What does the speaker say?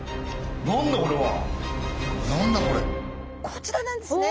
こちらなんですね。